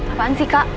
apaan sih kak